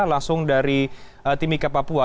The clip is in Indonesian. langsung dari timika papua